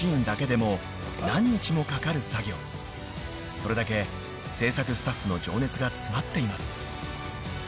［それだけ制作スタッフの情熱が詰まっています］